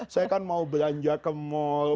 saya kan mau belanja ke mal